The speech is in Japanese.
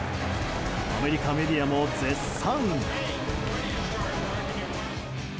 アメリカメディアも絶賛！